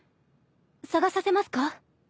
捜させますか？